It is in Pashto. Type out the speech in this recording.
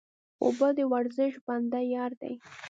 اوبه د ورزش بنده یار دی